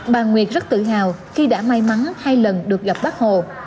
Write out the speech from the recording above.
bà nguyệt rất tự hào khi đã may mắn hai lần được gặp bác hồ